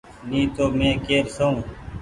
ني تو مين ڪير سئو۔